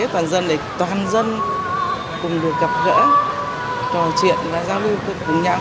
các cô rất mong đến ngày đại đoàn kết toàn dân toàn dân cùng được gặp gỡ trò chuyện giao lưu